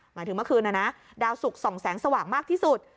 หมายถึงเมื่อคืนนะนะดาวสุกส่องแสงสว่างมากที่สุด